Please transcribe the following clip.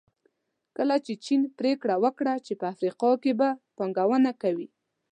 کله چې چین پریکړه وکړه چې په افریقا کې به پانګونه کوي.